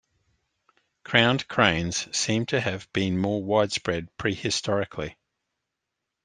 Crowned cranes seem to have been more widespread prehistorically.